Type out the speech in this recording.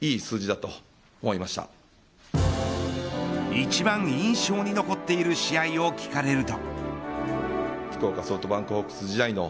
一番印象に残っている試合を聞かれると。